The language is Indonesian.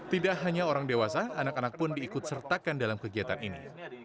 tidak hanya orang dewasa anak anak pun diikut sertakan dalam kegiatan ini